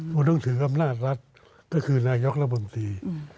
คุณต้องถืออำนาจรัฐก็คือนายกรัฐมนตรี